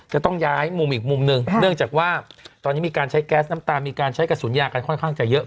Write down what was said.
จะต้องย้ายมุมอีกมุมหนึ่งเนื่องจากว่าตอนนี้มีการใช้แก๊สน้ำตามีการใช้กระสุนยากันค่อนข้างจะเยอะ